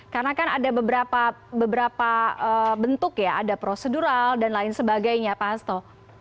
karena kan ada beberapa bentuk ya ada prosedural dan lain sebagainya pak hasto